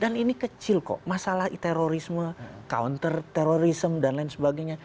dan ini kecil kok masalah terorisme counter terrorism dan lain sebagainya